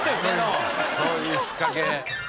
そういう引っかけ。